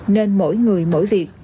nên mỗi người mỗi việc